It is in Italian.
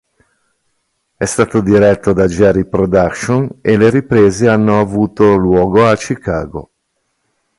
È stato diretto da Jerry Productions e le riprese hanno avuto luogo a Chicago.